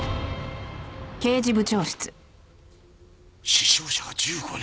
死傷者が１５人。